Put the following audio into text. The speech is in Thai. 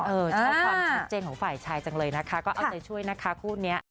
ชอบความชัดเจนของฝ่ายชายจังเลยนะคะก็เอาใจช่วยนะคะคู่นี้